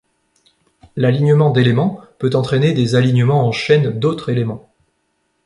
L'alignement d'éléments peut entraîner des alignements en chaîne d'autres éléments.